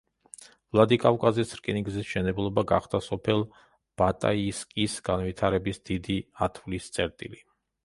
ვლადიკავკაზის რკინიგზის მშენებლობა გახდა სოფელ ბატაისკის განვითარების დიდი ათვლის წერტილი.